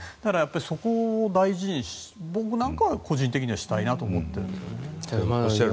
そこを大事に僕なんかは個人的にしたいと思ってるんですけど。